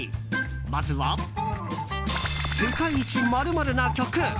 まずは、世界一○○な曲！